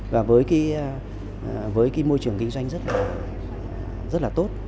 và với môi trường kinh doanh rất là tốt